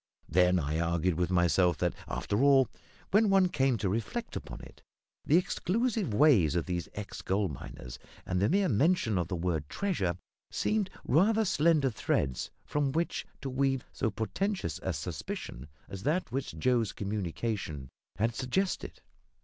Then I argued with myself that, after all, when one came to reflect upon it, the exclusive ways of these ex gold miners and the mere mention of the word "treasure" seemed rather slender threads from which to weave so portentous a suspicion as that which Joe's communication had suggested.